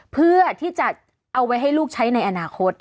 เพื่อที่จะเอาไว้ให้ลูกใช้ในอนาคต